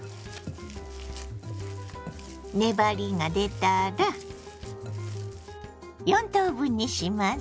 粘りが出たら４等分にします。